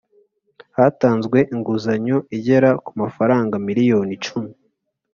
hatanzwe inguzanyo igera ku mafaranga miliyoni icumi